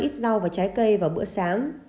ít rau và trái cây vào bữa sáng